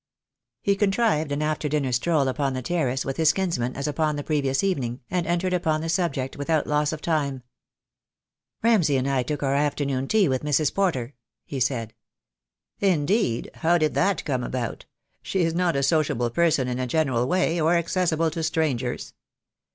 He contrived an after dinner stroll upon the terrace with his kinsman as upon the previous evening, and en tered upon the subject without loss of time. "Ramsay and I took our afternoon tea with Mrs. Porter," he said. "Indeed! How did that come about? She is not a sociable person in a general way, or accessible to strangers."